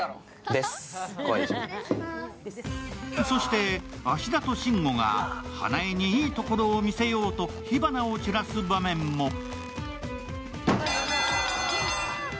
そして、芦田と慎吾が花枝にいいところを見せようと火花を散らす場面も。